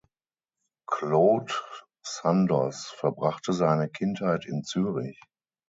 Claude Sandoz verbrachte seine Kindheit in Zürich.